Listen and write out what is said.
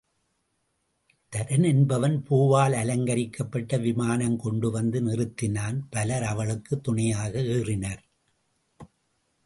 தரன் என்பவன் பூவால் அலங்கரிக்கப்பட்ட விமானம் கொண்டு வந்து நிறுத்தினான் பலர் அவளுக்குத் துணையாக ஏறினர்.